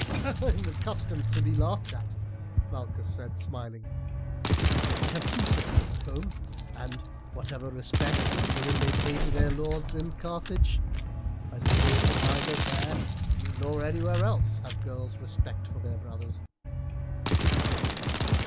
"I am accustomed to be laughed at," Malchus said smiling; "I have two sisters at home, and, whatever respect women may pay to their lords in Carthage, I suppose that neither there nor anywhere else have girls respect for their brothers."